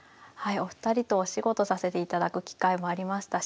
お二人とお仕事させていただく機会もありましたし